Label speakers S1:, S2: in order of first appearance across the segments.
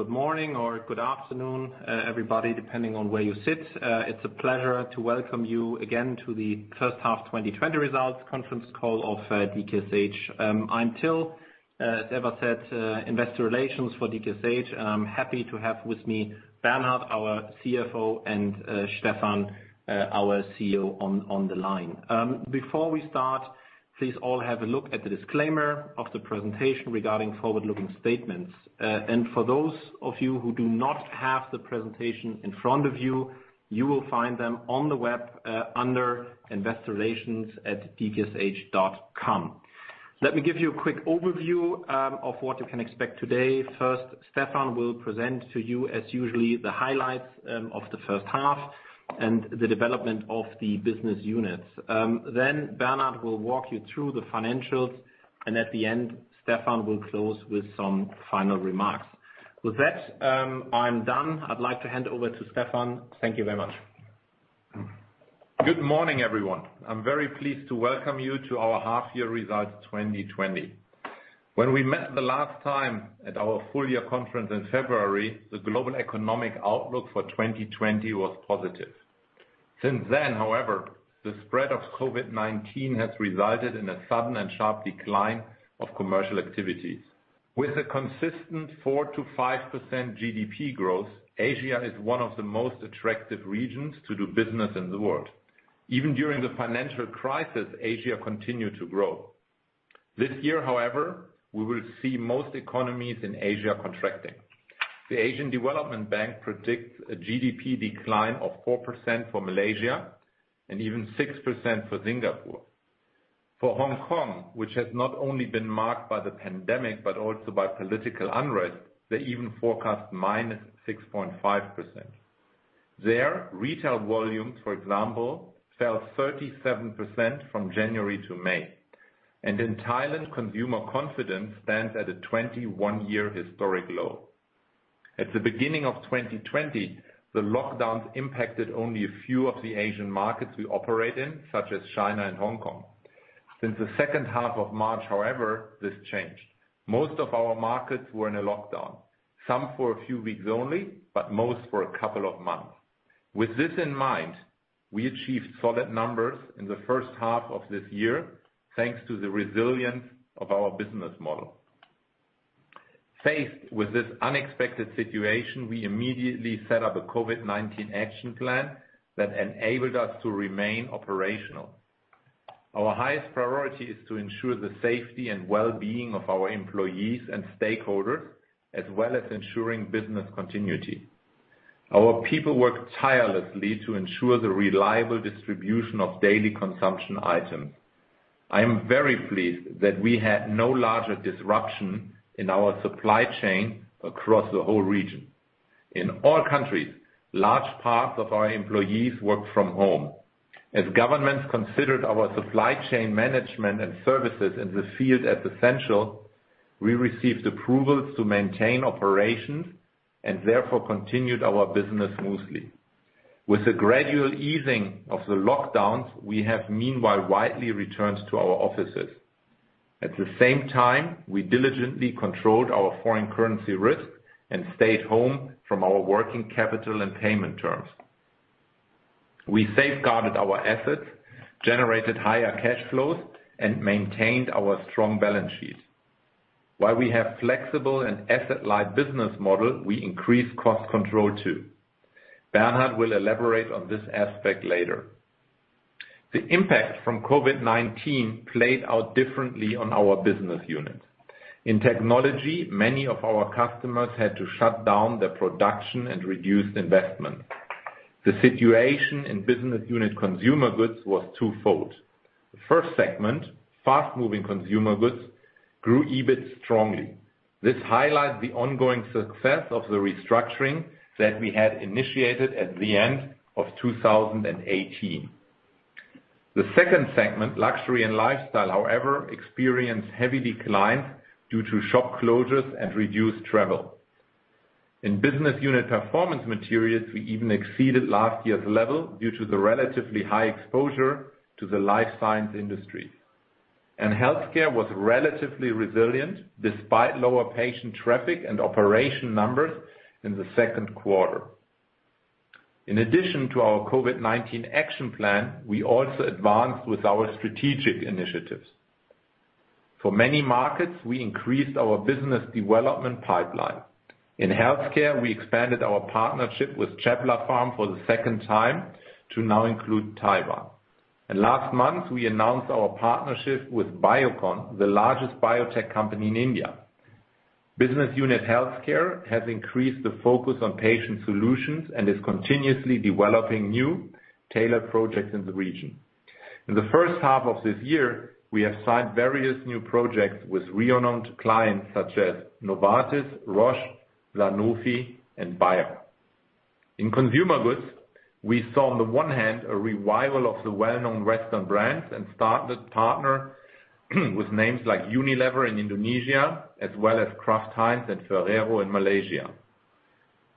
S1: Good morning or good afternoon, everybody, depending on where you sit. It's a pleasure to welcome you again to the first half 2020 results conference call of DKSH. I'm Till, Investor Relations for DKSH. I'm happy to have with me Bernhard, our CFO, and Stefan, our CEO, on the line. Before we start, please all have a look at the disclaimer of the presentation regarding forward-looking statements. For those of you who do not have the presentation in front of you will find them on the web under investorrelations@dksh.com. Let me give you a quick overview of what you can expect today. First, Stefan will present to you, as usually, the highlights of the first half and the development of the business units. Bernhard will walk you through the financials, and at the end, Stefan will close with some final remarks. With that, I'm done. I'd like to hand over to Stefan. Thank you very much.
S2: Good morning, everyone. I'm very pleased to welcome you to our half-year results 2020. When we met the last time at our full-year conference in February, the global economic outlook for 2020 was positive. Since then, however, the spread of COVID-19 has resulted in a sudden and sharp decline of commercial activities. With a consistent 4%-5% GDP growth, Asia is one of the most attractive regions to do business in the world. Even during the financial crisis, Asia continued to grow. This year, however, we will see most economies in Asia contracting. The Asian Development Bank predicts a GDP decline of 4% for Malaysia and even 6% for Singapore. For Hong Kong, which has not only been marked by the pandemic but also by political unrest, they even forecast -6.5%. Their retail volumes, for example, fell 37% from January to May. In Thailand, consumer confidence stands at a 21-year historic low. At the beginning of 2020, the lockdowns impacted only a few of the Asian markets we operate in, such as China and Hong Kong. Since the second half of March, however, this changed. Most of our markets were in a lockdown, some for a few weeks only, but most for a couple of months. With this in mind, we achieved solid numbers in the first half of this year, thanks to the resilience of our business model. Faced with this unexpected situation, we immediately set up a COVID-19 action plan that enabled us to remain operational. Our highest priority is to ensure the safety and well-being of our employees and stakeholders, as well as ensuring business continuity. Our people work tirelessly to ensure the reliable distribution of daily consumption items. I am very pleased that we had no larger disruption in our supply chain across the whole region. In all countries, large parts of our employees work from home. As governments considered our supply chain management and services in the field as essential, we received approvals to maintain operations and therefore continued our business smoothly. With the gradual easing of the lockdowns, we have meanwhile widely returned to our offices. At the same time, we diligently controlled our foreign currency risk and stayed home from our working capital and payment terms. We safeguarded our assets, generated higher cash flows, and maintained our strong balance sheet. While we have flexible and asset-light business model, we increase cost control, too. Bernhard will elaborate on this aspect later. The impact from COVID-19 played out differently on our business units. In technology, many of our customers had to shut down their production and reduce investment. The situation in Business Unit Consumer Goods was twofold. The first segment, fast-moving consumer goods, grew EBIT strongly. This highlights the ongoing success of the restructuring that we had initiated at the end of 2018. The second segment, luxury and lifestyle, however, experienced heavy declines due to shop closures and reduced travel. In Business Unit Performance Materials, we even exceeded last year's level due to the relatively high exposure to the life science industry. Healthcare was relatively resilient despite lower patient traffic and operation numbers in the second quarter. In addition to our COVID-19 action plan, we also advanced with our strategic initiatives. For many markets, we increased our business development pipeline. In healthcare, we expanded our partnership with Cheplapharm for the second time to now include Taiwan. Last month, we announced our partnership with Biocon, the largest biotech company in India. Business unit Healthcare has increased the focus on patient solutions and is continuously developing new tailored projects in the region. In the first half of this year, we have signed various new projects with renowned clients such as Novartis, Roche, Sanofi, and Bayer. In consumer goods, we saw on the one hand a revival of the well-known Western brands and started to partner with names like Unilever in Indonesia as well as Kraft Heinz and Ferrero in Malaysia.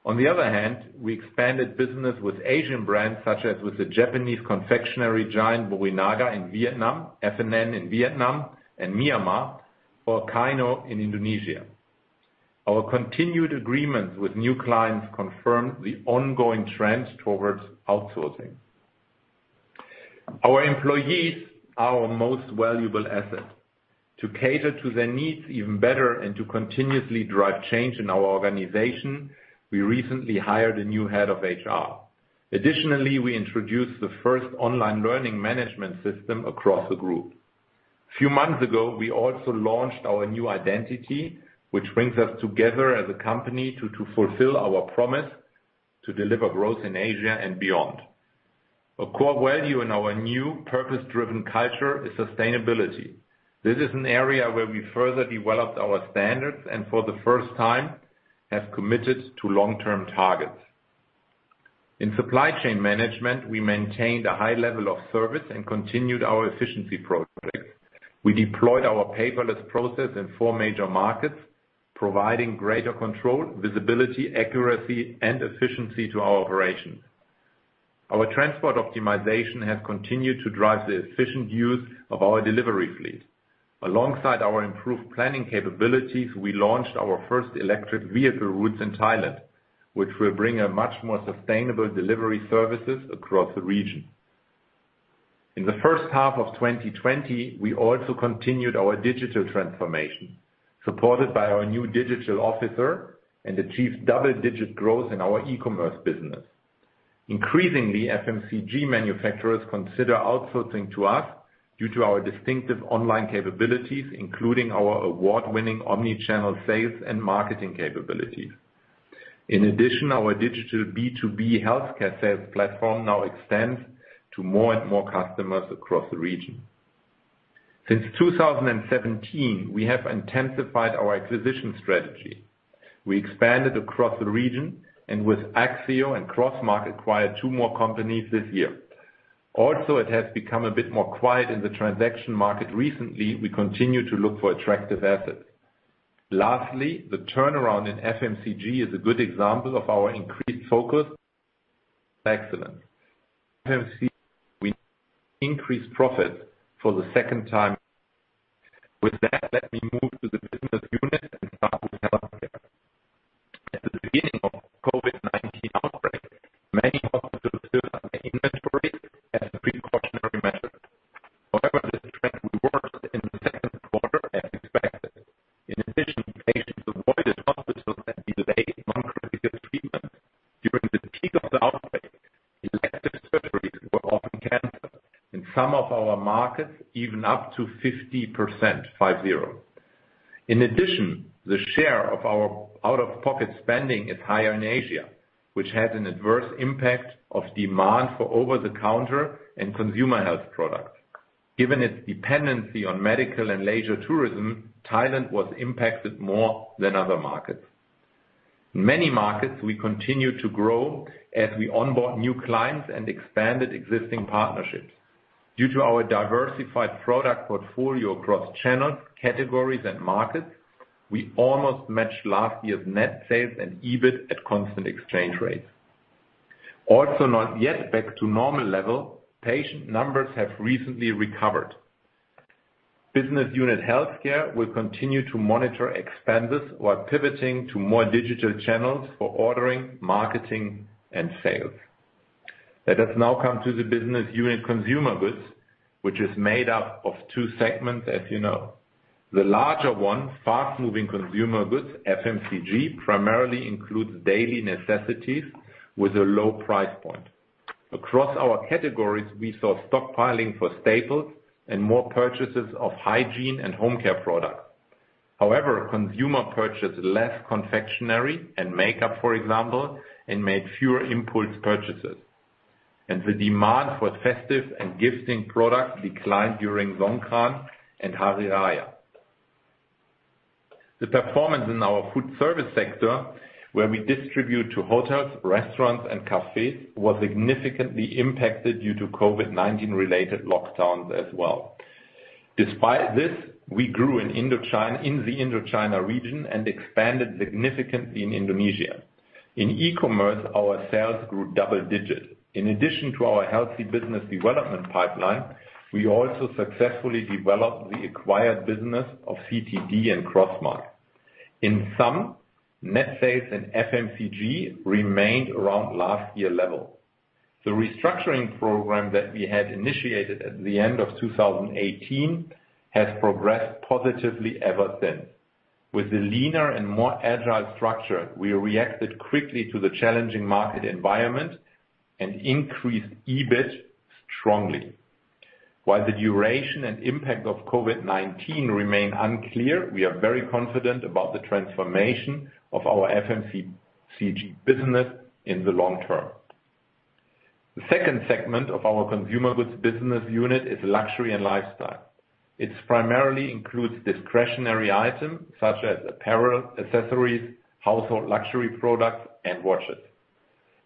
S2: On the other hand, we expanded business with Asian brands, such as with the Japanese confectionery giant, Morinaga in Vietnam, F&N in Vietnam and Myanmar, or Kino in Indonesia. Our continued agreements with new clients confirm the ongoing trends towards outsourcing. Our employees are our most valuable asset. To cater to their needs even better and to continuously drive change in our organization, we recently hired a new head of HR. Additionally, we introduced the first online learning management system across the group. A few months ago, we also launched our new identity, which brings us together as a company to fulfill our promise to deliver growth in Asia and beyond. A core value in our new purpose-driven culture is sustainability. This is an area where we further developed our standards, and for the first time, have committed to long-term targets. In supply chain management, we maintained a high level of service and continued our efficiency projects. We deployed our paperless process in four major markets, providing greater control, visibility, accuracy, and efficiency to our operations. Our transport optimization has continued to drive the efficient use of our delivery fleet. Alongside our improved planning capabilities, we launched our first electric vehicle routes in Thailand, which will bring a much more sustainable delivery services across the region. In the first half of 2020, we also continued our digital transformation, supported by our new digital officer, and achieved double-digit growth in our e-commerce business. Increasingly, FMCG manufacturers consider outsourcing to us due to our distinctive online capabilities, including our award-winning omni-channel sales and marketing capabilities. In addition, our digital B2B healthcare sales platform now extends to more and more customers across the region. Since 2017, we have intensified our acquisition strategy. We expanded across the region, and with Axieo and Crossmark acquired two more companies this year. It has become a bit more quiet in the transaction market recently, we continue to look for attractive assets. Lastly, the turnaround in FMCG is a good example of our increased focus on excellence. We increased profit for the second time. With that, let me move to the business unit and start with healthcare. At the beginning of the COVID-19 outbreak, many hospitals built up their inventories as a precautionary measure. However, this trend reversed in the second quarter as expected. In addition, patients avoided hospitals and delayed non-critical treatment. During the peak of the outbreak, elective surgeries were often canceled. In some of our markets, even up to 50%, five, zero. In addition, the share of our out-of-pocket spending is higher in Asia, which has an adverse impact of demand for over-the-counter and consumer health products. Given its dependency on medical and leisure tourism, Thailand was impacted more than other markets. In many markets, we continued to grow as we onboard new clients and expanded existing partnerships. Due to our diversified product portfolio across channels, categories, and markets, we almost matched last year's net sales and EBIT at constant exchange rates. Not yet back to normal level, patient numbers have recently recovered. Business Unit Healthcare will continue to monitor expenses while pivoting to more digital channels for ordering, marketing, and sales. Let us now come to the Business Unit Consumer Goods, which is made up of 2 segments, as you know. The larger one, Fast-Moving Consumer Goods, FMCG, primarily includes daily necessities with a low price point. Across our categories, we saw stockpiling for staples and more purchases of hygiene and home care products. Consumers purchased less confectionery and makeup, for example, and made fewer impulse purchases, and the demand for festive and gifting products declined during Songkran and Hari Raya. The performance in our food service sector, where we distribute to hotels, restaurants, and cafes, was significantly impacted due to COVID-19-related lockdowns as well. Despite this, we grew in the Indochina region and expanded significantly in Indonesia. In e-commerce, our sales grew double digits. In addition to our healthy business development pipeline, we also successfully developed the acquired business of CTD and Crossmark. In sum, net sales and FMCG remained around last year level. The restructuring program that we had initiated at the end of 2018 has progressed positively ever since. With a leaner and more agile structure, we reacted quickly to the challenging market environment and increased EBIT strongly. While the duration and impact of COVID-19 remain unclear, we are very confident about the transformation of our FMCG business in the long term. The second segment of our consumer goods business unit is luxury and lifestyle. It primarily includes discretionary items such as apparel, accessories, household luxury products, and watches.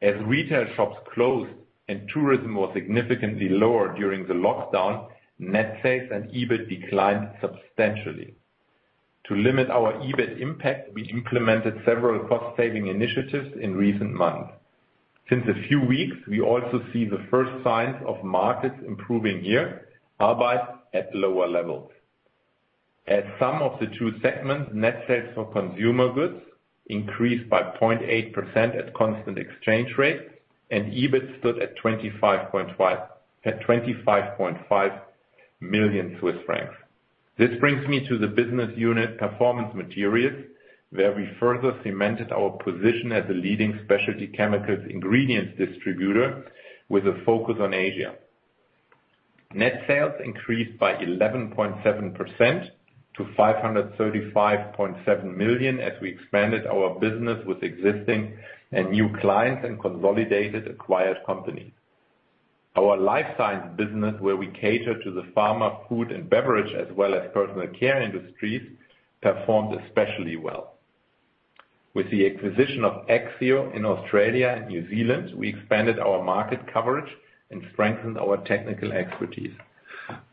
S2: As retail shops closed and tourism was significantly lower during the lockdown, net sales and EBIT declined substantially. To limit our EBIT impact, we implemented several cost-saving initiatives in recent months. Since a few weeks, we also see the first signs of markets improving here, albeit at lower levels. As some of the two segments, net sales for consumer goods increased by 0.8% at constant exchange rates and EBIT stood at 25.5 million Swiss francs. This brings me to the business unit performance materials, where we further cemented our position as a leading specialty chemicals ingredients distributor with a focus on Asia. Net sales increased by 11.7% to 535.7 million as we expanded our business with existing and new clients and consolidated acquired companies. Our life science business, where we cater to the pharma, food, and beverage, as well as personal care industries, performed especially well. With the acquisition of Axieo in Australia and New Zealand, we expanded our market coverage and strengthened our technical expertise.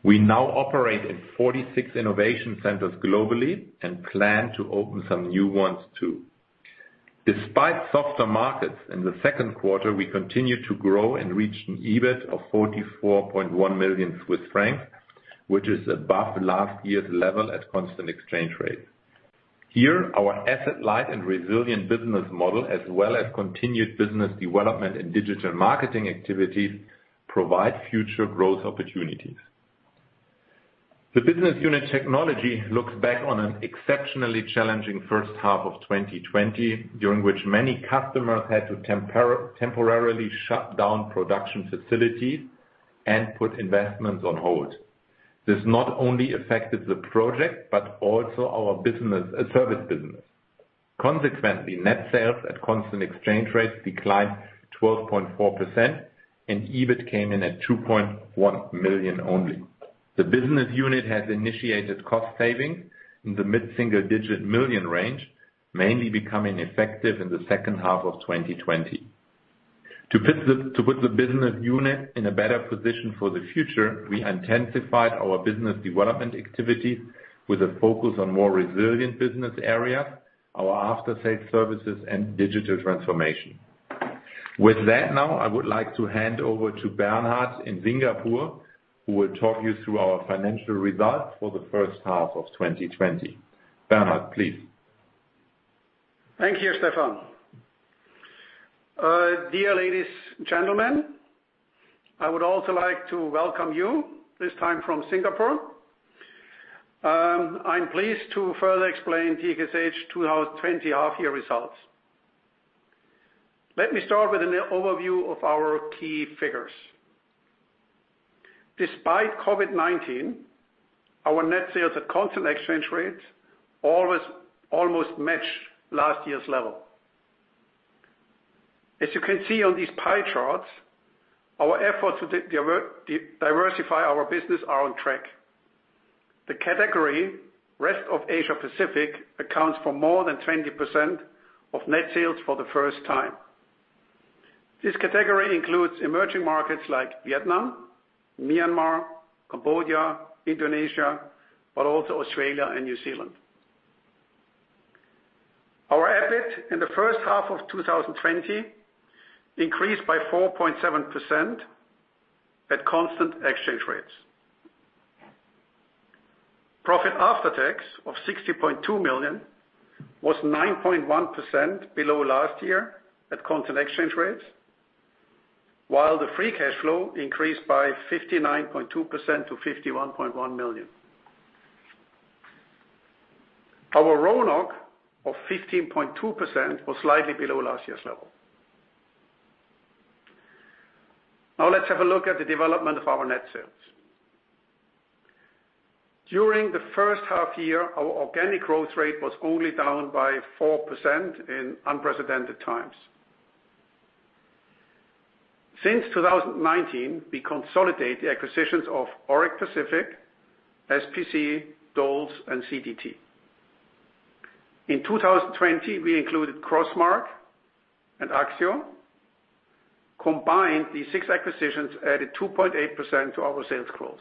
S2: We now operate in 46 innovation centers globally and plan to open some new ones, too. Despite softer markets in the second quarter, we continued to grow and reach an EBIT of 44.1 million Swiss francs, which is above last year's level at constant exchange rates. Here, our asset light and resilient business model as well as continued business development and digital marketing activities provide future growth opportunities. The business unit technology looks back on an exceptionally challenging first half of 2020, during which many customers had to temporarily shut down production facilities and put investments on hold. This not only affected the project, but also our service business. Consequently, net sales at constant exchange rates declined 12.4%, and EBIT came in at 2.1 million only. The business unit has initiated cost saving in the mid-single digit million range, mainly becoming effective in the second half of 2020. To put the business unit in a better position for the future, we intensified our business development activities with a focus on more resilient business areas, our after-sales services, and digital transformation. With that, now I would like to hand over to Bernhard in Singapore, who will talk you through our financial results for the first half of 2020. Bernhard, please.
S3: Thank you, Stefan. Dear ladies, gentlemen, I would also like to welcome you, this time from Singapore. I am pleased to further explain DKSH 2020 half year results. Let me start with an overview of our key figures. Despite COVID-19, our net sales at constant exchange rates almost match last year's level. As you can see on these pie charts, our efforts to diversify our business are on track. The category Rest of Asia Pacific accounts for more than 20% of net sales for the first time. This category includes emerging markets like Vietnam, Myanmar, Cambodia, Indonesia, but also Australia and New Zealand. Our EBIT in the first half of 2020 increased by 4.7% at constant exchange rates. Profit after tax of 60.2 million was 9.1% below last year at constant exchange rates, while the free cash flow increased by 59.2% to 51.1 million. Our RONOC of 15.2% was slightly below last year's level. Let's have a look at the development of our net sales. During the first half year, our organic growth rate was only down by 4% in unprecedented times. Since 2019, we consolidate the acquisitions of Auric Pacific, SPC, Dols, and CTD. In 2020, we included Crossmark and Axieo. Combined, these six acquisitions added 2.8% to our sales growth.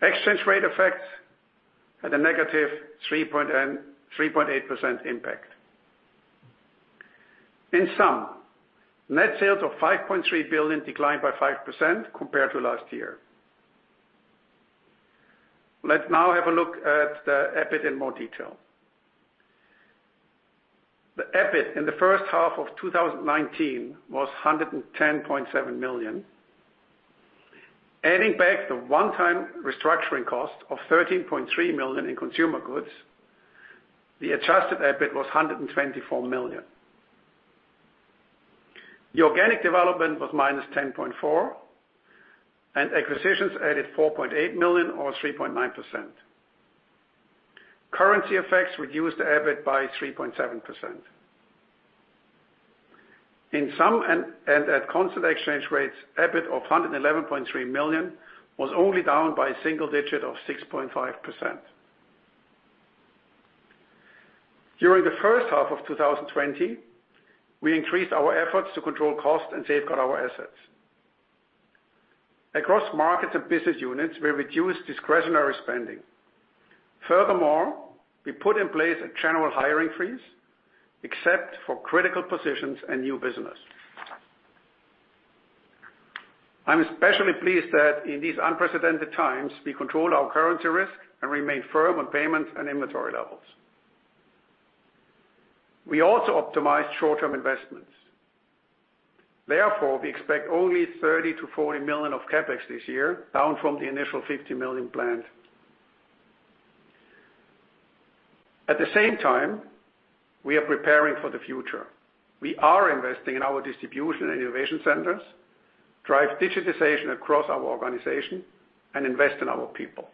S3: Exchange rate effects had a negative 3.8% impact. In sum, net sales of 5.3 billion declined by 5% compared to last year. Let's now have a look at the EBIT in more detail. The EBIT in the first half of 2019 was 110.7 million. Adding back the one-time restructuring cost of 13.3 million in consumer goods, the adjusted EBIT was 124 million. The organic development was -10.4%. Acquisitions added 4.8 million or 3.9%. Currency effects reduced the EBIT by 3.7%. In sum and at constant exchange rates, EBIT of 111.3 million was only down by a single digit of 6.5%. During the first half of 2020, we increased our efforts to control cost and safeguard our assets. Across markets and business units, we reduced discretionary spending. Furthermore, we put in place a general hiring freeze except for critical positions and new business. I'm especially pleased that in these unprecedented times, we control our currency risk and remain firm on payment and inventory levels. We also optimize short-term investments. Therefore, we expect only 30 million-40 million of CapEx this year, down from the initial 50 million planned. At the same time, we are preparing for the future. We are investing in our distribution and innovation centers, drive digitization across our organization and invest in our people.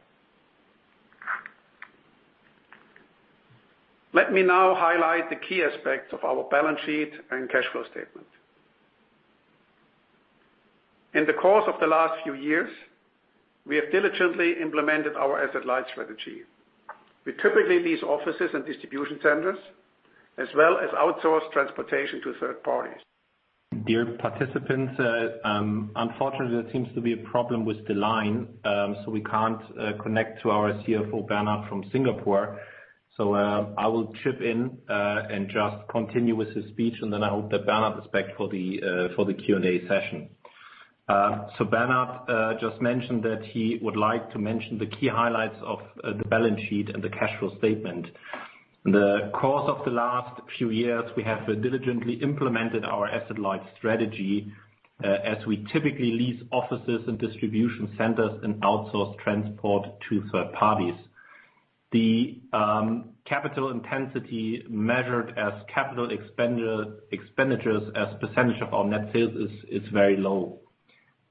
S3: Let me now highlight the key aspects of our balance sheet and cash flow statement. In the course of the last few years, we have diligently implemented our asset-light strategy. We typically lease offices and distribution centers, as well as outsource transportation to third parties.
S1: Dear participants, unfortunately, there seems to be a problem with the line, so we can't connect to our CFO, Bernhard, from Singapore. I will chip in and just continue with his speech, and then I hope that Bernhard is back for the Q&A session. Bernhard just mentioned that he would like to mention the key highlights of the balance sheet and the cash flow statement. In the course of the last few years, we have diligently implemented our asset-light strategy, as we typically lease offices and distribution centers and outsource transport to third parties. The capital intensity measured as capital expenditures as % of our net sales is very low.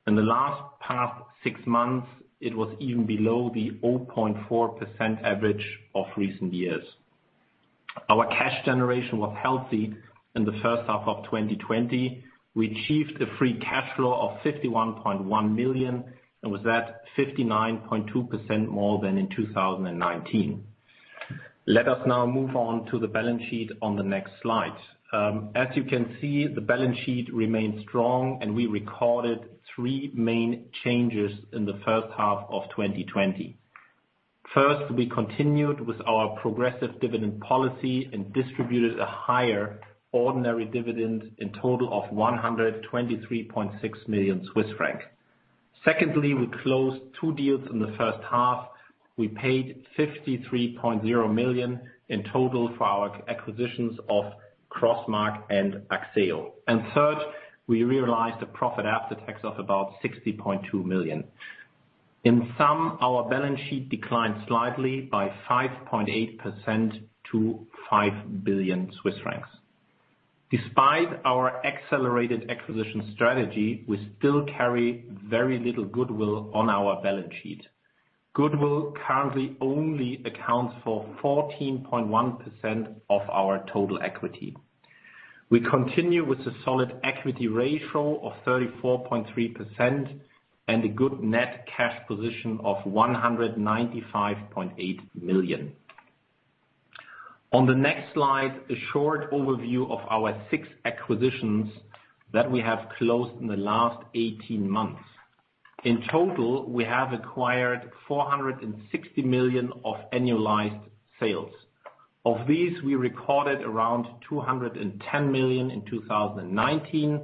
S1: In the last past six months, it was even below the 0.4% average of recent years. Our cash generation was healthy in the first half of 2020. We achieved a free cash flow of 51.1 million and with that 59.2% more than in 2019. Let us now move on to the balance sheet on the next slide. As you can see, the balance sheet remains strong, and we recorded three main changes in the first half of 2020. First, we continued with our progressive dividend policy and distributed a higher ordinary dividend in total of 123.6 million Swiss franc. Secondly, we closed two deals in the first half. We paid 53.0 million in total for our acquisitions of Crossmark and Axieo. Third, we realized a profit after tax of about 60.2 million. In sum, our balance sheet declined slightly by 5.8% to 5 billion Swiss francs. Despite our accelerated acquisition strategy, we still carry very little goodwill on our balance sheet. Goodwill currently only accounts for 14.1% of our total equity. We continue with a solid equity ratio of 34.3% and a good net cash position of 195.8 million. On the next slide, a short overview of our six acquisitions that we have closed in the last 18 months. In total, we have acquired 460 million of annualized sales. Of these, we recorded around 210 million in 2019,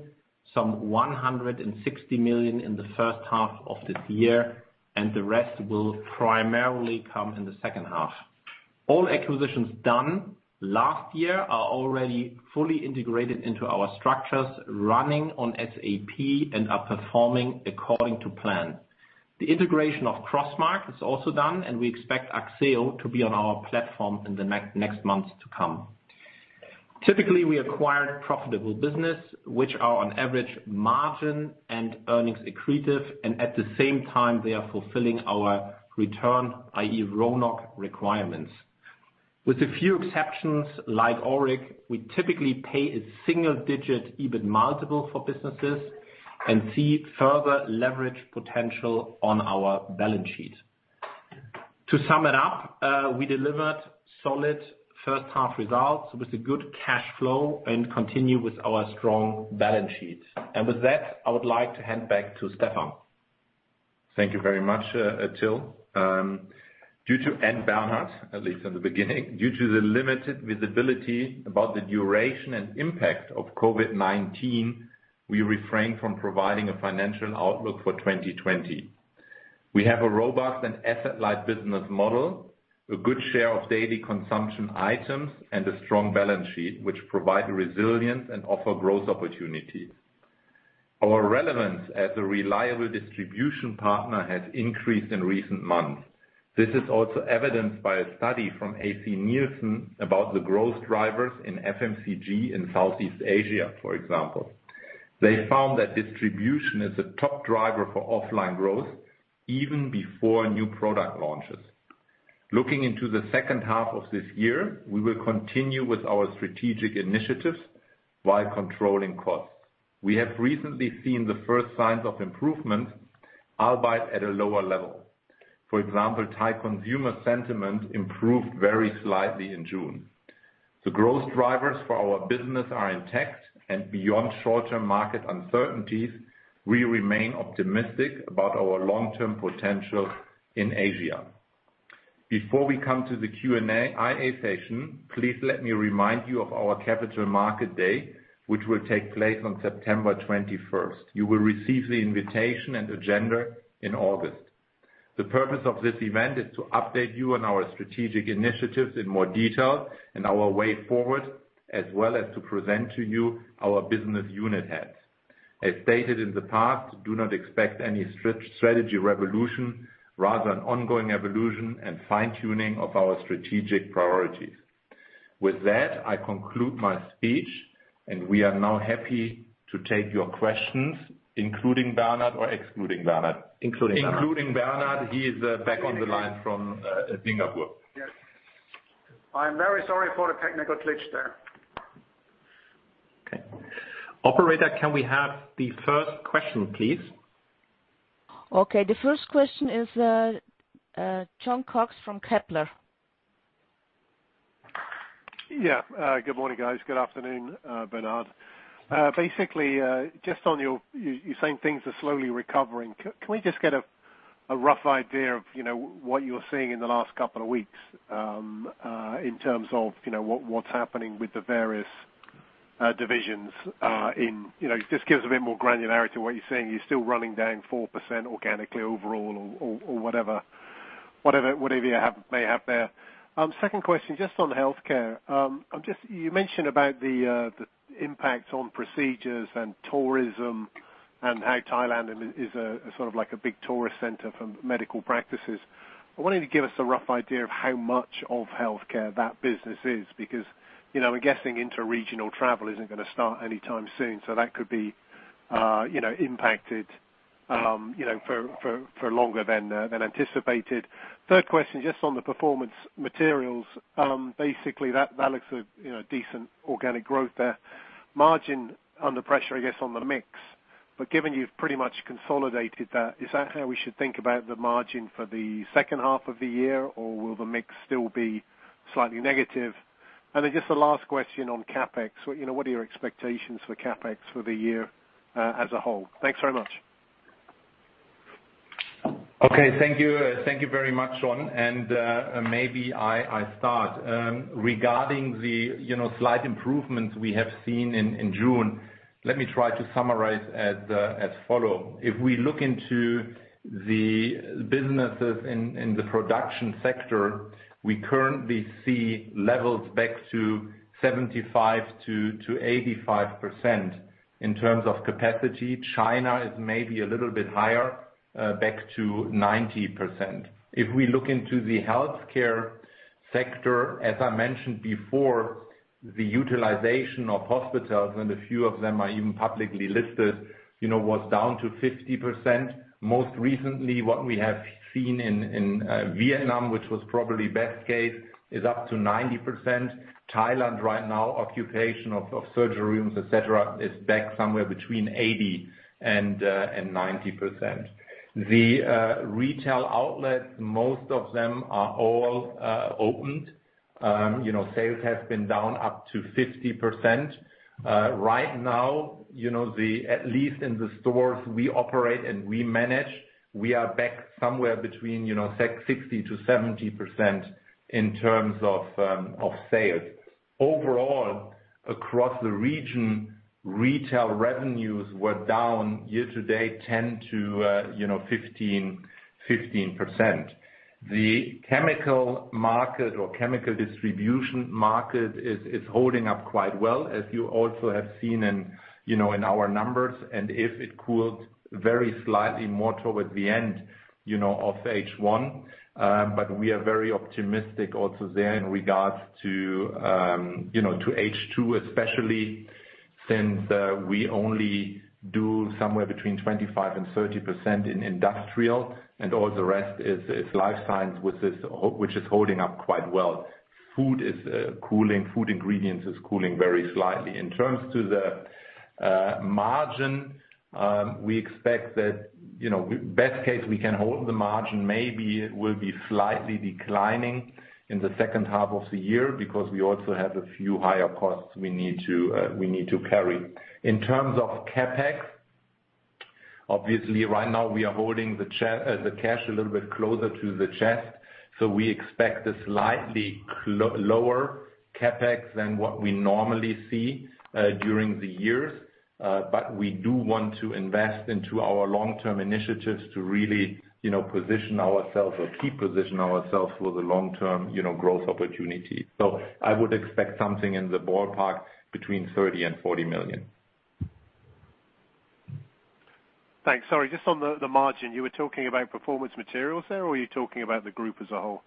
S1: some 160 million in the first half of this year, and the rest will primarily come in the second half. All acquisitions done last year are already fully integrated into our structures, running on SAP and are performing according to plan. The integration of Crossmark is also done, and we expect Axieo to be on our platform in the next months to come. Typically, we acquire profitable business, which are on average margin and earnings accretive, and at the same time, they are fulfilling our return, i.e. RONOC requirements. With a few exceptions like Auric, we typically pay a single-digit EBIT multiple for businesses and see further leverage potential on our balance sheet. To sum it up, we delivered solid first half results with a good cash flow and continue with our strong balance sheet. With that, I would like to hand back to Stefan.
S2: Thank you very much, Till. Bernhard, at least in the beginning. Due to the limited visibility about the duration and impact of COVID-19, we refrain from providing a financial outlook for 2020. We have a robust and asset-light business model, a good share of daily consumption items, and a strong balance sheet, which provide resilience and offer growth opportunities. Our relevance as a reliable distribution partner has increased in recent months. This is also evidenced by a study from AC Nielsen about the growth drivers in FMCG in Southeast Asia, for example. They found that distribution is a top driver for offline growth even before new product launches. Looking into the second half of this year, we will continue with our strategic initiatives while controlling costs. We have recently seen the first signs of improvement. Albeit at a lower level. For example, Thai consumer sentiment improved very slightly in June. The growth drivers for our business are intact and beyond short-term market uncertainties, we remain optimistic about our long-term potential in Asia. Before we come to the Q&A session, please let me remind you of our capital market day, which will take place on September 21st. You will receive the invitation and agenda in August. The purpose of this event is to update you on our strategic initiatives in more detail and our way forward, as well as to present to you our business unit heads. As stated in the past, do not expect any strategy revolution, rather an ongoing evolution and fine-tuning of our strategic priorities. With that, I conclude my speech and we are now happy to take your questions, including Bernhard or excluding Bernhard?
S3: Including Bernhard.
S2: Including Bernhard. He is back on the line from Singapore.
S3: Yes. I am very sorry for the technical glitch there.
S2: Okay. Operator, can we have the first question, please?
S4: Okay. The first question is, Jon Cox from Kepler.
S5: Good morning, guys. Good afternoon, Bernhard. Just on your, you're saying things are slowly recovering. Can we just get a rough idea of what you're seeing in the last couple of weeks, in terms of what's happening with the various divisions? It just gives a bit more granularity to what you're saying. You're still running down 4% organically overall or whatever you may have there. Second question, just on healthcare. You mentioned about the impact on procedures and tourism and how Thailand is sort of like a big tourist center for medical practices. I want you to give us a rough idea of how much of healthcare that business is because, I'm guessing interregional travel isn't going to start anytime soon, so that could be impacted for longer than anticipated. Third question, just on the performance materials. That looks a decent organic growth there. Margin under pressure, I guess, on the mix. Given you've pretty much consolidated that, is that how we should think about the margin for the second half of the year? Or will the mix still be slightly negative? Then just a last question on CapEx. What are your expectations for CapEx for the year as a whole? Thanks very much.
S2: Okay. Thank you. Thank you very much, Jon, and maybe I start. Regarding the slight improvements we have seen in June, let me try to summarize as follow. If we look into the businesses in the production sector, we currently see levels back to 75%-85%. In terms of capacity, China is maybe a little bit higher, back to 90%. If we look into the healthcare sector, as I mentioned before, the utilization of hospitals, and a few of them are even publicly listed, was down to 50%. Most recently, what we have seen in Vietnam, which was probably best case, is up to 90%. Thailand right now, occupation of surgery rooms, et cetera, is back somewhere between 80% and 90%. The retail outlets, most of them are all opened. Sales has been down up to 50%. Right now, at least in the stores we operate and we manage, we are back somewhere between 60%-70% in terms of sales. Overall, across the region, retail revenues were down year-to-date, 10%-15%. The chemical market or chemical distribution market is holding up quite well, as you also have seen in our numbers and if it cooled very slightly more toward the end of H1. We are very optimistic also there in regards to H2, especially since we only do somewhere between 25% and 30% in industrial, and all the rest is life science, which is holding up quite well. Food ingredients is cooling very slightly. In terms of the margin, we expect that, best case, we can hold the margin. Maybe it will be slightly declining in the second half of the year because we also have a few higher costs we need to carry. In terms of CapEx, obviously right now we are holding the cash a little bit closer to the chest. We expect a slightly lower CapEx than what we normally see during the years. We do want to invest into our long-term initiatives to really position ourselves or keep positioning ourselves for the long-term growth opportunity. I would expect something in the ballpark between 30 million and 40 million.
S5: Thanks. Sorry, just on the margin, you were talking about performance materials there, or were you talking about the group as a whole?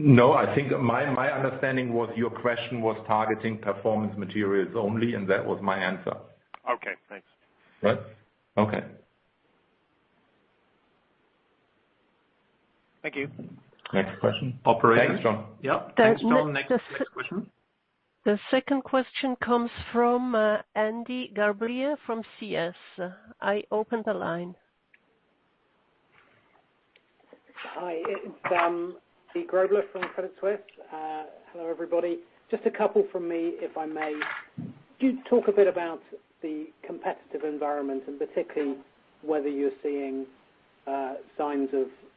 S2: No, I think my understanding was your question was targeting performance materials only, and that was my answer.
S5: Okay, thanks.
S2: Right. Okay.
S5: Thank you.
S2: Next question.
S1: Operator.
S2: Thanks, Jon.
S1: Yeah. Thanks, Jon. Next question.
S4: The second question comes from Andy Grobler from CS. I open the line.
S6: Hi, it's Andy Grobler from Credit Suisse. Hello, everybody. Just a couple from me, if I may. Do talk a bit about the competitive environment and particularly whether you're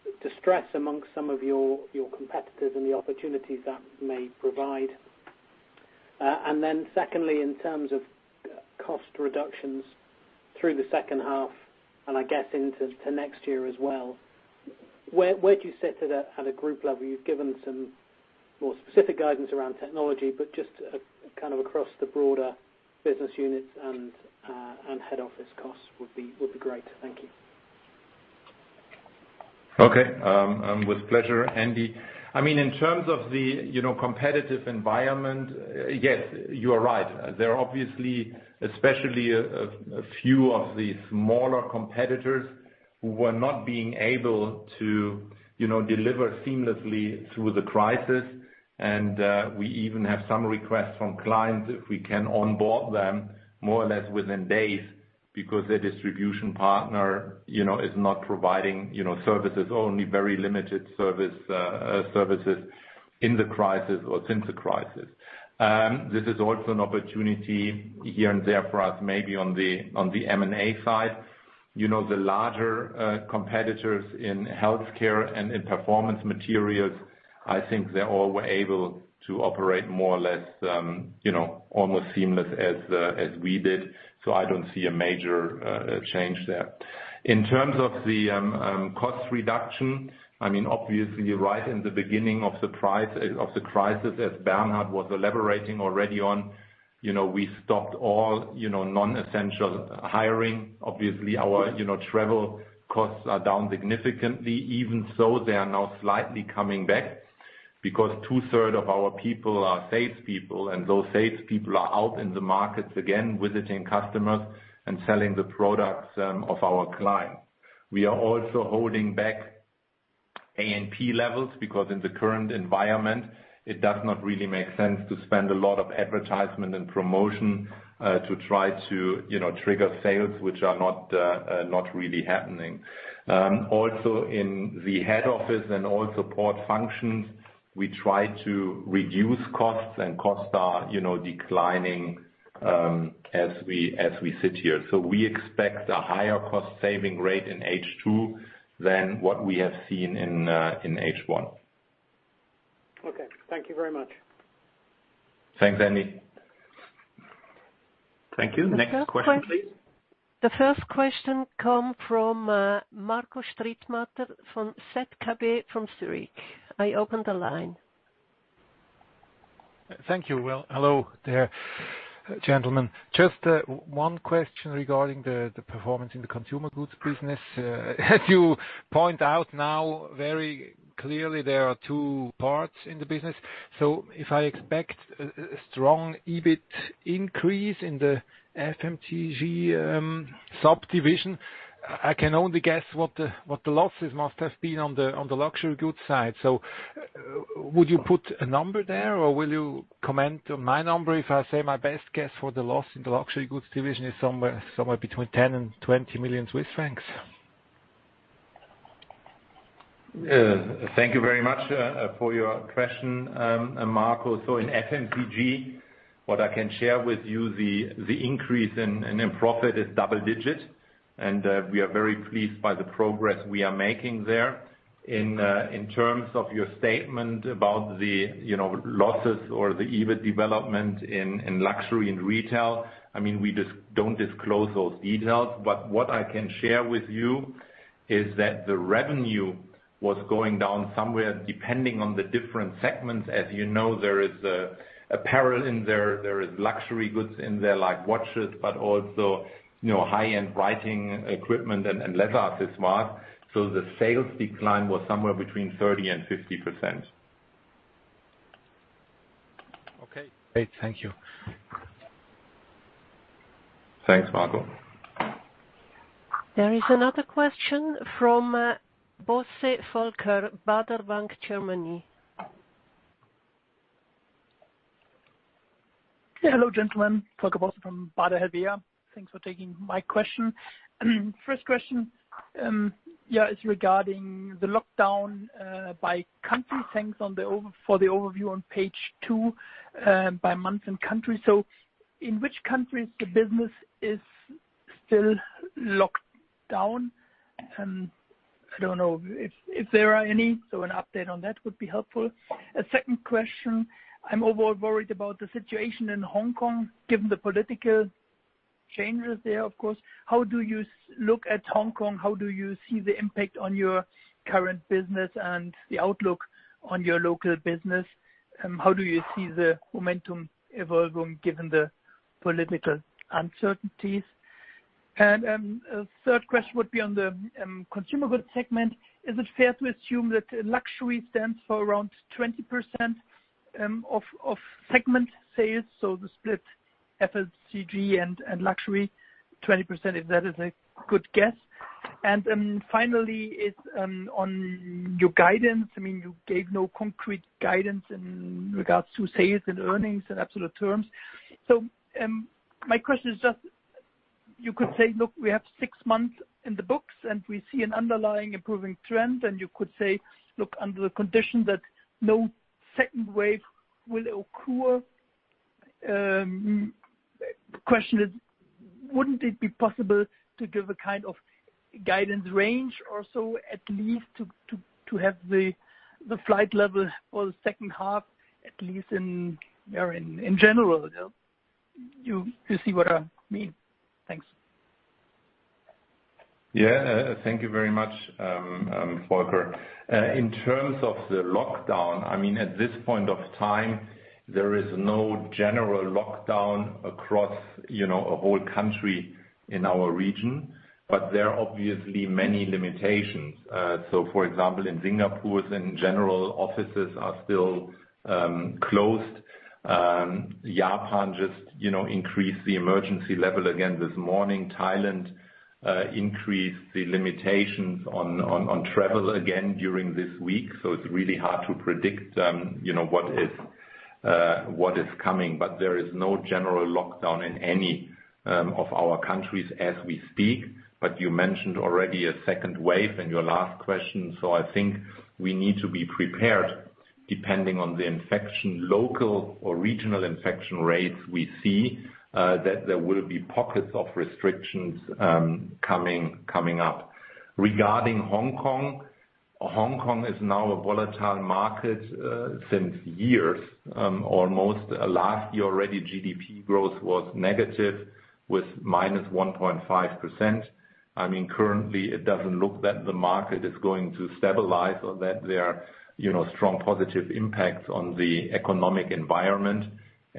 S6: seeing signs of distress amongst some of your competitors and the opportunities that may provide. Secondly, in terms of cost reductions through the second half, and I guess into next year as well, where do you sit at a group level? You've given some more specific guidance around technology, but just kind of across the broader business units and head office costs would be great. Thank you.
S2: Okay. With pleasure, Andy. In terms of the competitive environment, yes, you are right. There are obviously, especially a few of the smaller competitors who were not being able to deliver seamlessly through the crisis. We even have some requests from clients if we can onboard them more or less within days because their distribution partner is not providing services, only very limited services in the crisis or since the crisis. This is also an opportunity here and there for us, maybe on the M&A side. The larger competitors in healthcare and in performance materials, I think they all were able to operate more or less, almost seamless as we did. I don't see a major change there. In terms of the cost reduction, obviously right in the beginning of the crisis as Bernhard was elaborating already on, we stopped all non-essential hiring. Obviously, our travel costs are down significantly. Even so, they are now slightly coming back because two-third of our people are salespeople, and those salespeople are out in the markets again, visiting customers and selling the products of our clients. We are also holding back A&P levels because in the current environment, it does not really make sense to spend a lot of advertisement and promotion, to try to trigger sales which are not really happening. Also, in the head office and all support functions, we try to reduce costs, and costs are declining as we sit here. We expect a higher cost-saving rate in H2 than what we have seen in H1.
S6: Okay. Thank you very much.
S2: Thanks, Andy.
S1: Thank you. Next question, please.
S4: The first question come from Marco Strittmatter from ZKB from Zurich. I open the line.
S7: Thank you. Well, hello there, gentlemen. Just one question regarding the performance in the consumer goods business. As you point out now very clearly, there are two parts in the business. If I expect a strong EBIT increase in the FMCG subdivision, I can only guess what the losses must have been on the luxury goods side. Would you put a number there, or will you comment on my number if I say my best guess for the loss in the luxury goods division is somewhere between 10 million-20 million Swiss francs?
S2: Thank you very much for your question, Marco. In FMCG, what I can share with you, the increase in profit is double-digit, and we are very pleased by the progress we are making there. In terms of your statement about the losses or the EBIT development in luxury and retail, we just don't disclose those details. What I can share with you is that the revenue was going down somewhere, depending on the different segments. As you know, there is apparel in there is luxury goods in there, like watches, but also high-end writing equipment and leather accessories. The sales decline was somewhere between 30%-50%.
S7: Okay, great. Thank you.
S2: Thanks, Marco.
S4: There is another question from Volker Bosse, Baader Bank, Germany.
S8: Hello, gentlemen. Volker Bosse from Baader Helvea. Thanks for taking my question. First question is regarding the lockdown by country. Thanks for the overview on page two by month and country. In which countries the business is still locked down? I don't know if there are any, an update on that would be helpful. A second question, I'm overall worried about the situation in Hong Kong, given the political changes there, of course. How do you look at Hong Kong? How do you see the impact on your current business and the outlook on your local business? How do you see the momentum evolving given the political uncertainties? A third question would be on the consumer goods segment. Is it fair to assume that luxury stands for around 20% of segment sales? The split FMCG and luxury, 20%, if that is a good guess. Finally is on your guidance, you gave no concrete guidance in regards to sales and earnings in absolute terms. My question is just, you could say, "Look, we have six months in the books and we see an underlying improving trend." You could say, "Look, under the condition that no second wave will occur." Question is, wouldn't it be possible to give a kind of guidance range or so, at least to have the flight level for the second half, at least in general? You see what I mean? Thanks.
S2: Thank you very much, Volker. In terms of the lockdown, at this point of time, there is no general lockdown across a whole country in our region, but there are obviously many limitations. For example, in Singapore, general offices are still closed. Japan just increased the emergency level again this morning. Thailand increased the limitations on travel again during this week. It's really hard to predict what is coming. There is no general lockdown in any of our countries as we speak. You mentioned already a second wave in your last question, I think we need to be prepared depending on the local or regional infection rates we see, that there will be pockets of restrictions coming up. Regarding Hong Kong, Hong Kong is now a volatile market since years almost. Last year already, GDP growth was negative with -1.5%. Currently, it doesn't look that the market is going to stabilize or that there are strong positive impacts on the economic environment.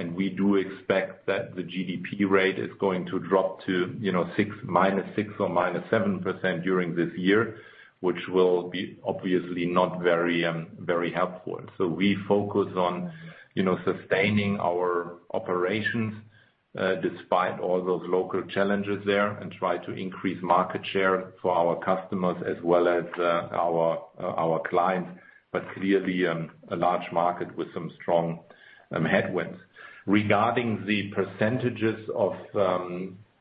S2: We do expect that the GDP rate is going to drop to -6% or -7% during this year, which will be obviously not very helpful. We focus on sustaining our operations, despite all those local challenges there, and try to increase market share for our customers as well as our clients. Clearly, a large market with some strong headwinds. Regarding the percentages of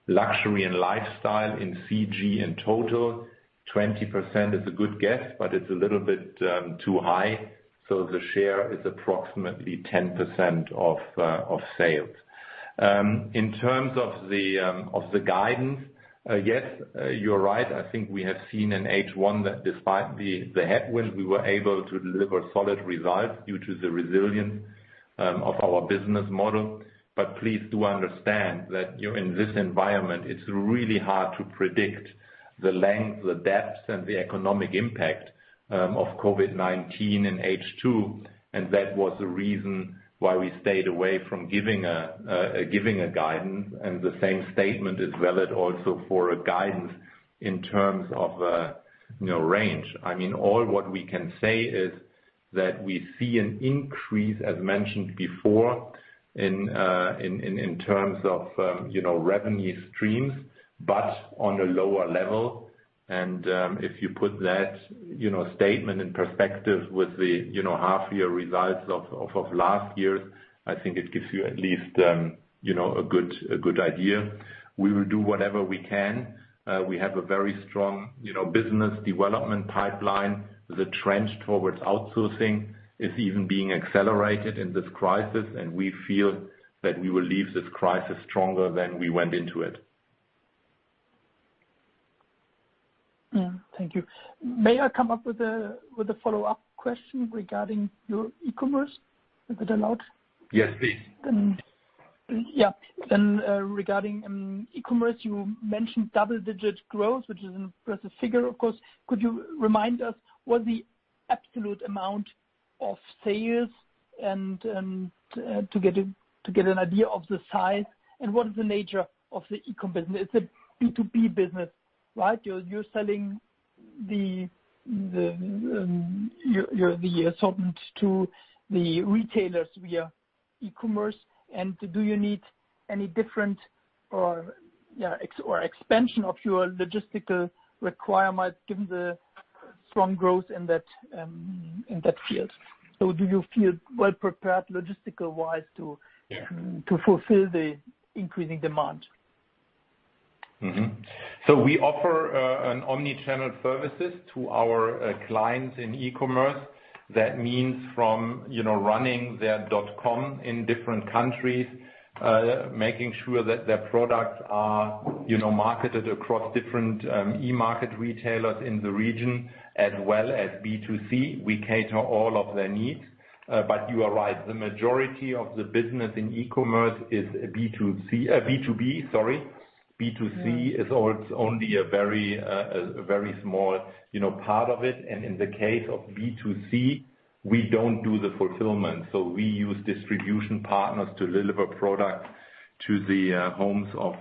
S2: luxury and lifestyle in CG in total, 20% is a good guess, but it's a little bit too high. The share is approximately 10% of sales. In terms of the guidance, yes, you are right. I think we have seen in H1 that despite the headwinds, we were able to deliver solid results due to the resilience of our business model. Please do understand that in this environment, it's really hard to predict the length, the depth, and the economic impact of COVID-19 in H2, and that was the reason why we stayed away from giving a guidance. The same statement is valid also for a guidance in terms of range. All what we can say is that we see an increase, as mentioned before, in terms of revenue streams, but on a lower level. If you put that statement in perspective with the half-year results of last year's, I think it gives you at least a good idea. We will do whatever we can. We have a very strong business development pipeline. The trend towards outsourcing is even being accelerated in this crisis, and we feel that we will leave this crisis stronger than we went into it.
S8: Yeah. Thank you. May I come up with a follow-up question regarding your e-commerce? Is it allowed?
S2: Yes, please.
S8: Yeah. Regarding e-commerce, you mentioned double-digit growth, which is an impressive figure, of course. Could you remind us what the absolute amount of sales, and to get an idea of the size, and what is the nature of the e-com business? It's a B2B business, right? You're selling the assortment to the retailers via e-commerce. Do you need any different or expansion of your logistical requirements given the strong growth in that field? Do you feel well prepared logistical-wise to fulfill the increasing demand?
S2: We offer an omni-channel services to our clients in e-commerce. That means from running their dotcom in different countries, making sure that their products are marketed across different e-market retailers in the region as well as B2C. We cater all of their needs. You are right, the majority of the business in e-commerce is B2B. B2C is only a very small part of it. In the case of B2C, we don't do the fulfillment. We use distribution partners to deliver product to the homes of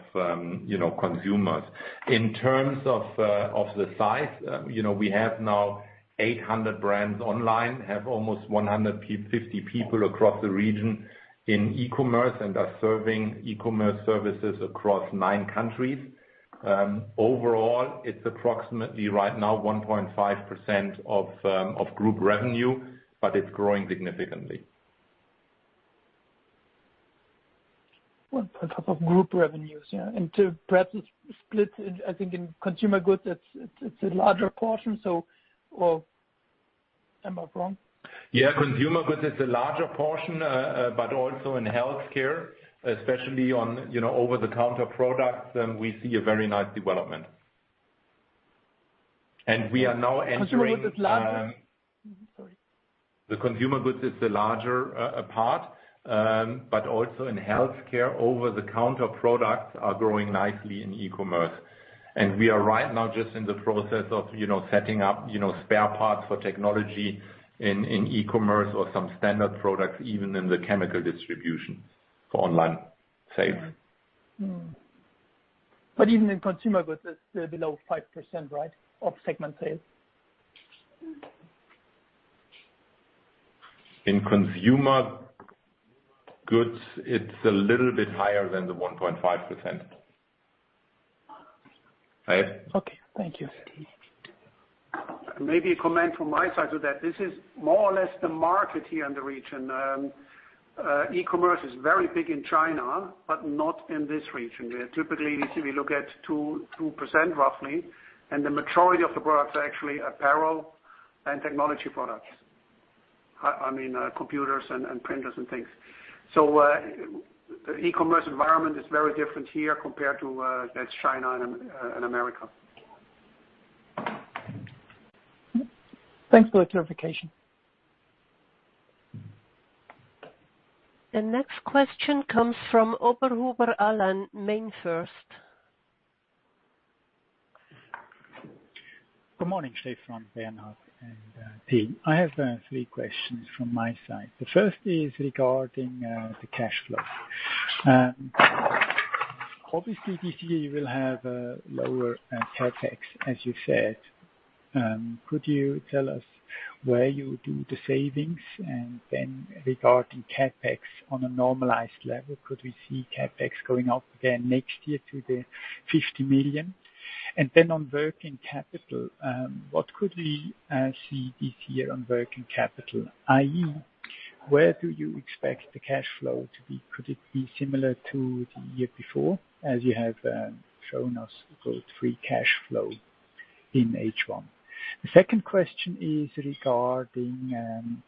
S2: consumers. In terms of the size, we have now 800 brands online, have almost 150 people across the region in e-commerce, and are serving e-commerce services across nine countries. Overall, it's approximately right now 1.5% of group revenue, but it's growing significantly.
S8: On top of group revenues, yeah. To perhaps split, I think in consumer goods it's a larger portion, or am I wrong?
S2: Yeah. Consumer goods is a larger portion, but also in healthcare, especially on over-the-counter products, we see a very nice development. We are now entering-
S8: Consumer goods is larger. Sorry.
S2: The consumer goods is the larger part. Also in healthcare, over-the-counter products are growing nicely in e-commerce. We are right now just in the process of setting up spare parts for technology in e-commerce or some standard products, even in the chemical distribution for online sales.
S8: Even in consumer goods it's below 5%, right, of segment sales?
S2: In consumer goods it's a little bit higher than the 1.5%. Right?
S8: Okay. Thank you.
S3: Maybe a comment from my side to that. This is more or less the market here in the region. E-commerce is very big in China, but not in this region. Typically, we look at 2% roughly. The majority of the products are actually apparel and technology products. I mean, computers and printers and things. The e-commerce environment is very different here compared to China and America.
S8: Thanks for the clarification.
S4: The next question comes from Oberhuber Alain, MainFirst.
S9: Good morning, Stefan, Bernhard, and team. I have three questions from my side. The first is regarding the cash flow. Obviously, this year you will have a lower CapEx, as you said. Could you tell us where you do the savings? Regarding CapEx on a normalized level, could we see CapEx going up again next year to the 50 million? On working capital, what could we see this year on working capital, i.e., where do you expect the cash flow to be? Could it be similar to the year before, as you have shown us the growth free cash flow in H1? The second question is regarding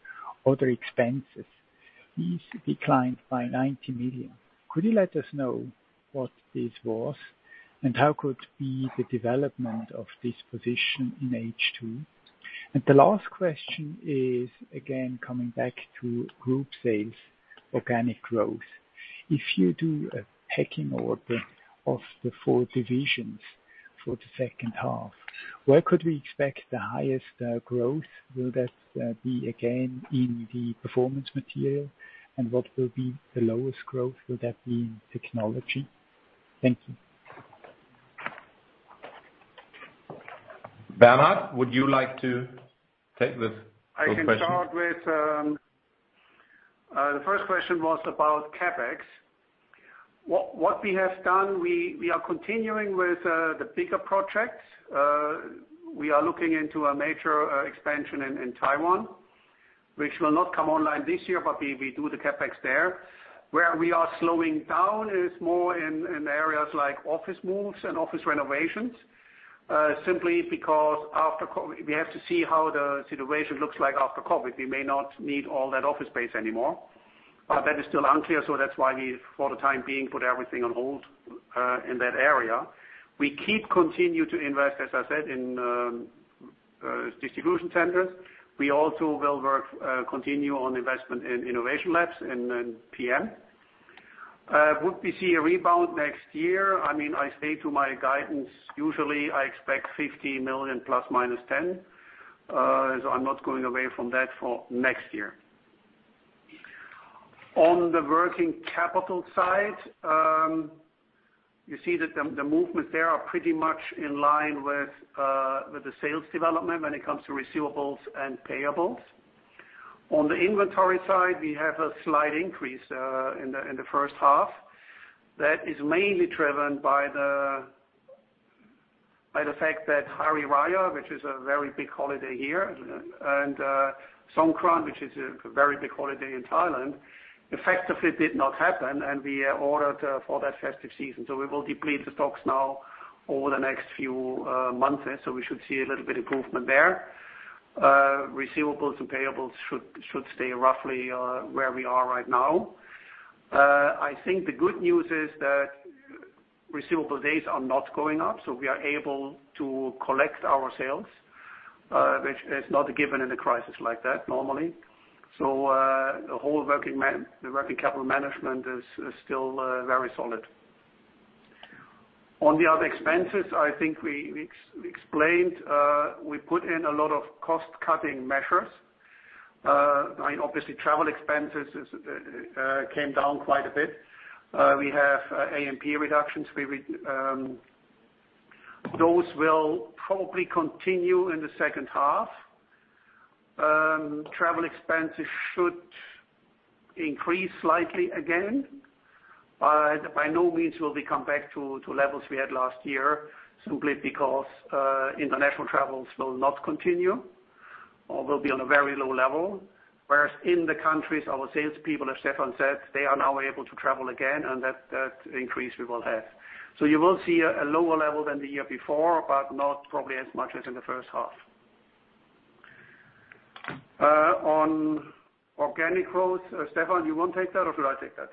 S9: other expenses. These declined by 90 million. Could you let us know what this was and how could be the development of this position in H2? The last question is, again, coming back to group sales organic growth. If you do a pecking order of the four divisions for the second half, where could we expect the highest growth? Will that be again in the performance material? What will be the lowest growth? Will that be in technology? Thank you.
S2: Bernhard, would you like to take this question?
S3: I can start. The first question was about CapEx. What we have done, we are continuing with the bigger projects. We are looking into a major expansion in Taiwan, which will not come online this year, but we do the CapEx there. Where we are slowing down is more in areas like office moves and office renovations, simply because we have to see how the situation looks like after COVID-19. We may not need all that office space anymore. That is still unclear, so that's why we, for the time being, put everything on hold in that area. We keep continuing to invest, as I said, in distribution centers. We also will continue on investment in innovation labs in PM. Would we see a rebound next year? I stay to my guidance. Usually, I expect 50 million plus or minus 10. I'm not going away from that for next year. On the working capital side, you see that the movements there are pretty much in line with the sales development when it comes to receivables and payables. On the inventory side, we have a slight increase in the first half that is mainly driven by the fact that Hari Raya, which is a very big holiday here, and Songkran, which is a very big holiday in Thailand, effectively did not happen, and we ordered for that festive season. We will deplete the stocks now over the next few months. We should see a little bit improvement there. Receivables and payables should stay roughly where we are right now. I think the good news is that receivable days are not going up, so we are able to collect our sales, which is not a given in a crisis like that normally. The whole working capital management is still very solid. On the other expenses, I think we explained, we put in a lot of cost-cutting measures. Obviously, travel expenses came down quite a bit. We have A&P reductions. Those will probably continue in the second half. Travel expenses should increase slightly again, but by no means will we come back to levels we had last year, simply because international travels will not continue or will be on a very low level. Whereas in the countries our salespeople, as Stefan said, they are now able to travel again, and that increase we will have. You will see a lower level than the year before, but not probably as much as in the first half. On organic growth, Stefan, do you want to take that or should I take that?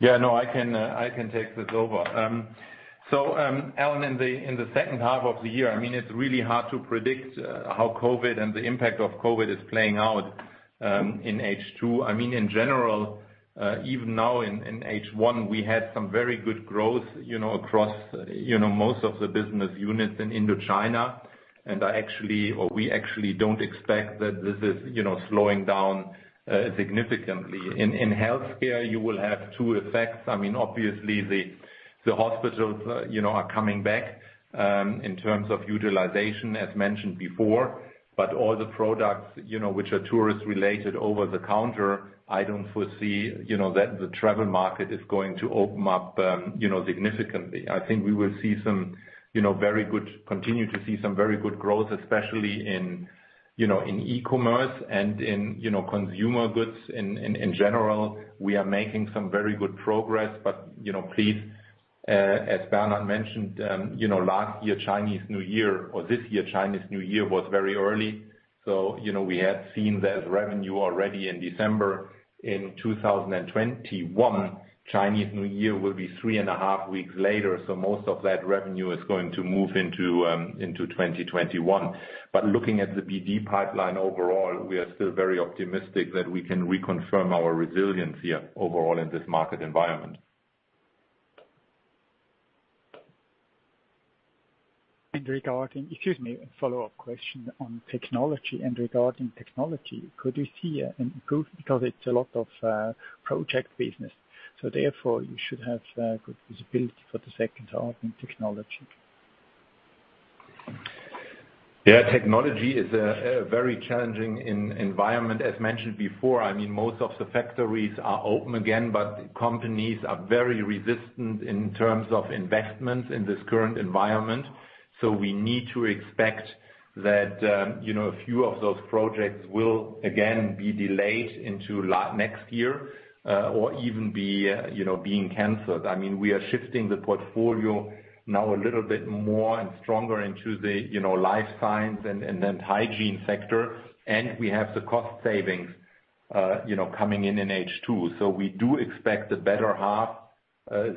S2: Yeah, no, I can take this over. Alain, in the second half of the year, it's really hard to predict how COVID and the impact of COVID is playing out in H2. In general, even now in H1, we had some very good growth across most of the business units in Indo-China. We actually don't expect that this is slowing down significantly. In healthcare, you will have two effects. Obviously, the hospitals are coming back in terms of utilization as mentioned before. All the products which are tourist related over the counter, I don't foresee that the travel market is going to open up significantly. I think we will continue to see some very good growth, especially in e-commerce and in consumer goods in general. We are making some very good progress. Please, as Bernhard mentioned, last year Chinese New Year or this year Chinese New Year was very early. We had seen that revenue already in December. In 2021, Chinese New Year will be three and a half weeks later. Most of that revenue is going to move into 2021. Looking at the BD pipeline overall, we are still very optimistic that we can reconfirm our resilience here overall in this market environment.
S9: Regarding, excuse me, a follow-up question on technology and regarding technology, could you see an improvement? It's a lot of project business, so therefore you should have good visibility for the second half in technology.
S2: Technology is a very challenging environment as mentioned before. Most of the factories are open again, but companies are very resistant in terms of investments in this current environment. We need to expect that a few of those projects will again be delayed into next year, or even being canceled. We are shifting the portfolio now a little bit more and stronger into the life science and then hygiene sector. We have the cost savings coming in in H2. We do expect a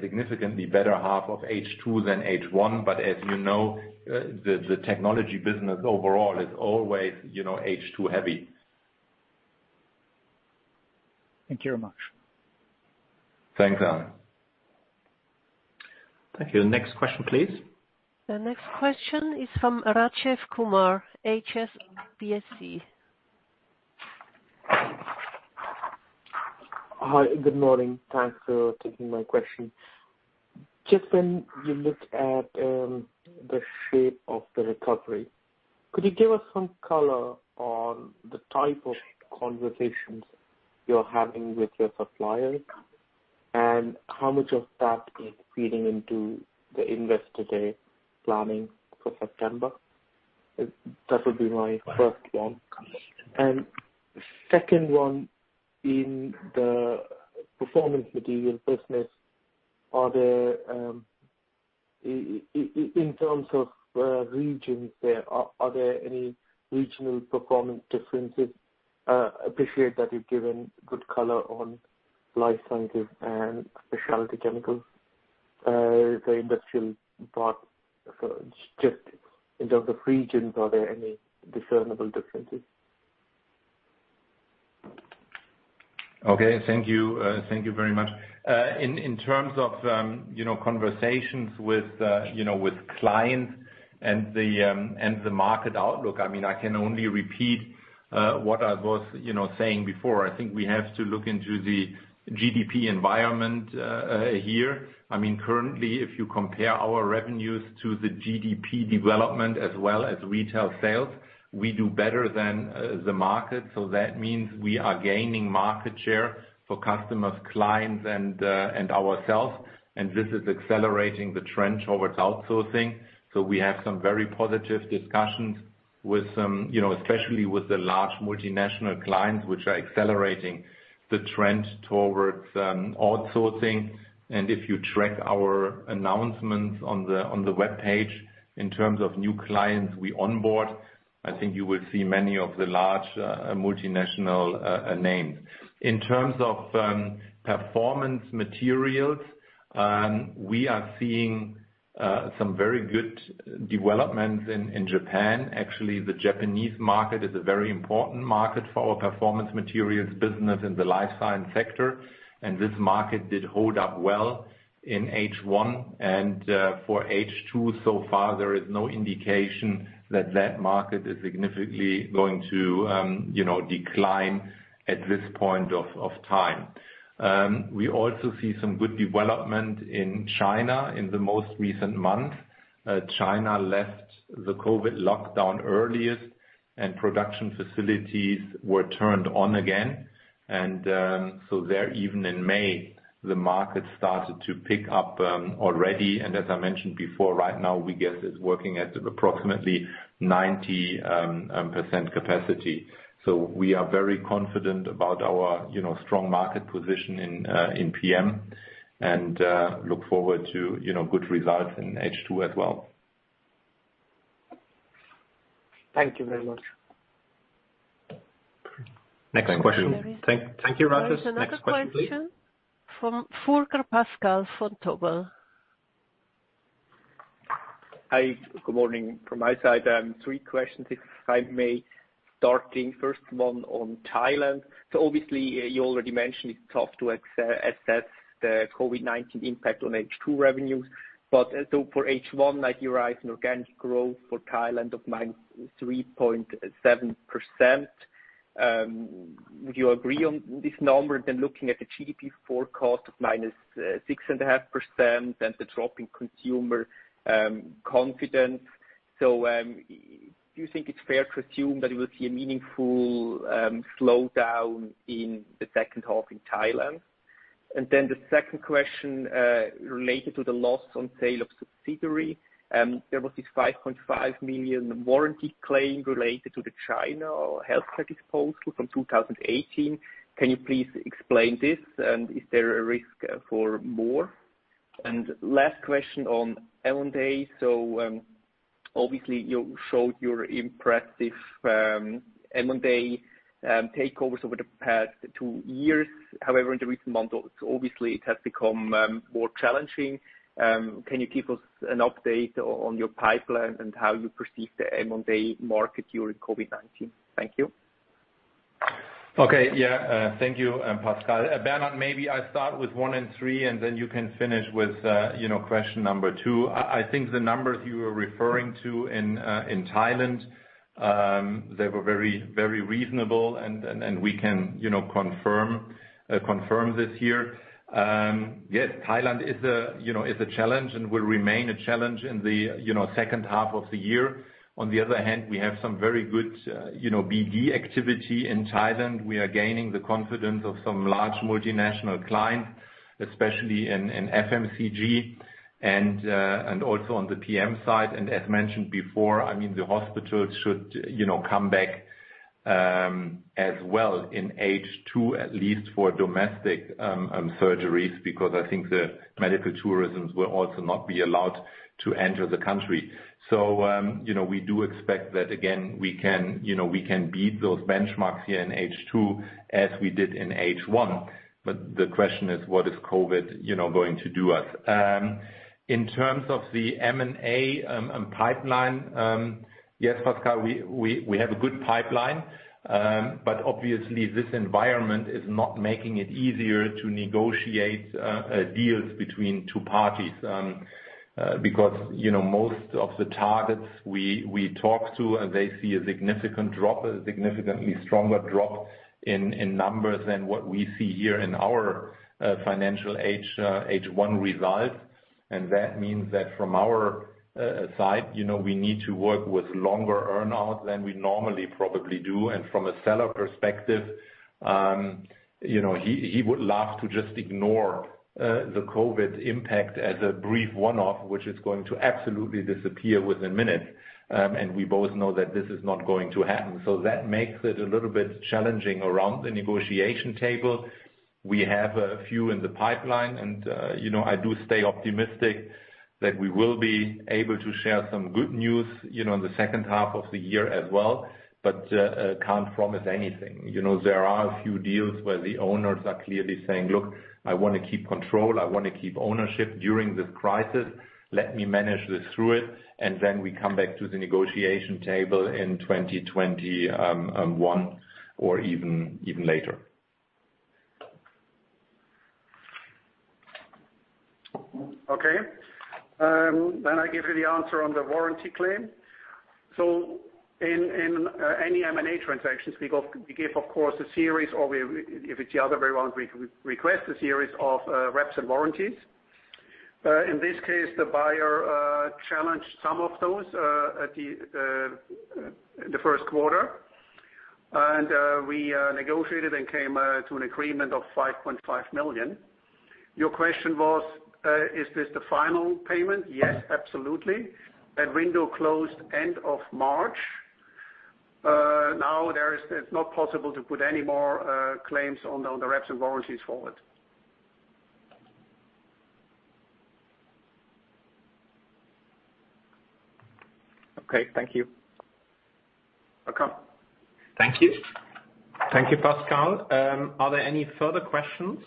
S2: significantly better half of H2 than H1, but as you know the technology business overall is always H2 heavy.
S9: Thank you very much.
S2: Thanks, Alain.
S1: Thank you. Next question, please.
S4: The next question is from Rajiv Kumar, HSBC.
S10: Hi. Good morning. Thanks for taking my question. Just when you look at the shape of the recovery, could you give us some color on the type of conversations you're having with your suppliers? How much of that is feeding into the Investor Day planning for September? That would be my first one. Second one, in the performance material business, in terms of regions there, are there any regional performance differences? I appreciate that you've given good color on life sciences and specialty chemicals. The industrial part, just in terms of regions, are there any discernible differences?
S2: Okay. Thank you. Thank you very much. In terms of conversations with clients and the market outlook, I can only repeat what I was saying before. I think we have to look into the GDP environment here. Currently, if you compare our revenues to the GDP development as well as retail sales, we do better than the market. That means we are gaining market share for customers, clients and ourselves. This is accelerating the trend towards outsourcing. We have some very positive discussions, especially with the large multinational clients, which are accelerating the trend towards outsourcing. If you track our announcements on the webpage in terms of new clients we onboard, I think you will see many of the large multinational names. In terms of performance materials, we are seeing some very good developments in Japan. Actually, the Japanese market is a very important market for our performance materials business in the life science sector, and this market did hold up well in H1. For H2 so far, there is no indication that market is significantly going to decline at this point of time. We also see some good development in China in the most recent month. China left the COVID-19 lockdown earliest and production facilities were turned on again. There, even in May, the market started to pick up already, and as I mentioned before, right now we guess it's working at approximately 90% capacity. We are very confident about our strong market position in PM and look forward to good results in H2 as well.
S10: Thank you very much.
S2: Next question.
S1: Thank you, Ratus. Next question, please.
S4: There is another question from Furger Pascal Vontobel.
S11: Hi, good morning from my side. Three questions, if I may. Starting first one on Thailand. Obviously you already mentioned it is tough to assess the COVID-19 impact on H2 revenues. For H1, like you rise in organic growth for Thailand of minus 3.7%. Would you agree on this number? Looking at the GDP forecast of minus 6.5% and the drop in consumer confidence. Do you think it is fair to assume that you will see a meaningful slowdown in the second half in Thailand? The second question, related to the loss on sale of subsidiary. There was this 5.5 million warranty claim related to the China healthcare disposal from 2018. Can you please explain this? Is there a risk for more? Last question on M&A. Obviously, you showed your impressive M&A takeovers over the past two years. However, in the recent months, obviously, it has become more challenging. Can you give us an update on your pipeline and how you perceive the M&A market during COVID-19? Thank you.
S2: Okay. Thank you, Pascal. Bernhard, maybe I start with 1 and 3, and then you can finish with question number 2. I think the numbers you were referring to in Thailand, they were very reasonable and we can confirm this here. Yes, Thailand is a challenge and will remain a challenge in the second half of the year. On the other hand, we have some very good BD activity in Thailand. We are gaining the confidence of some large multinational clients, especially in FMCG and also on the PM side. As mentioned before, the hospitals should come back as well in H2, at least, for domestic surgeries because I think the medical tourism will also not be allowed to enter the country. We do expect that again we can beat those benchmarks here in H2 as we did in H1. The question is, what is COVID going to do us? In terms of the M&A pipeline, yes, Pascal, we have a good pipeline. Obviously this environment is not making it easier to negotiate deals between two parties. Most of the targets we talk to, they see a significantly stronger drop in numbers than what we see here in our financial H1 results. That means that from our side, we need to work with longer earn-out than we normally probably do. From a seller perspective, he would love to just ignore the COVID impact as a brief one-off, which is going to absolutely disappear within minutes. We both know that this is not going to happen. That makes it a little bit challenging around the negotiation table. We have a few in the pipeline, and I do stay optimistic that we will be able to share some good news in the second half of the year as well, but can't promise anything. There are a few deals where the owners are clearly saying, "Look, I want to keep control. I want to keep ownership during this crisis. Let me manage this through it, and then we come back to the negotiation table in 2021 or even later.
S3: I give you the answer on the warranty claim. In any M&A transactions, we give, of course, a series or if it's the other way around, we request a series of reps and warranties. In this case, the buyer challenged some of those at the first quarter. We negotiated and came to an agreement of 5.5 million. Your question was, is this the final payment? Yes, absolutely. That window closed end of March. Now it's not possible to put any more claims on the reps and warranties forward.
S11: Okay. Thank you.
S3: Welcome.
S11: Thank you.
S2: Thank you, Pascal. Are there any further questions?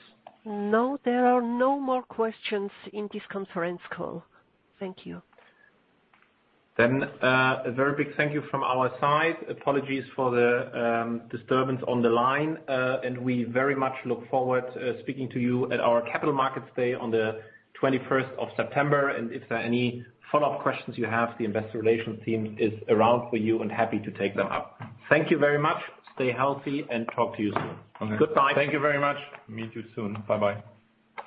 S4: No, there are no more questions in this conference call. Thank you.
S2: A very big thank you from our side. Apologies for the disturbance on the line. We very much look forward to speaking to you at our Capital Markets Day on the 21st of September. If there are any follow-up questions you have, the investor relations team is around for you and happy to take them up. Thank you very much. Stay healthy and talk to you soon. Goodbye.
S3: Thank you very much. Meet you soon. Bye-bye.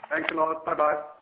S2: Thanks a lot. Bye-bye.
S4: Bye.